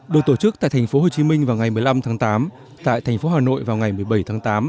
được tổ chức tại thành phố hồ chí minh vào ngày một mươi năm tháng tám tại thành phố hà nội vào ngày một mươi bảy tháng tám